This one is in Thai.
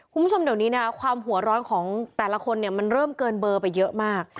คุณผู้ชมเดี๋ยวนี้นะความหัวร้อนของแต่ละคนเนี่ยมันเริ่มเกินเบอร์ไปเยอะมาก